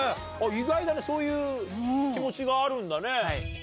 意外だねそういう気持ちがあるんだね。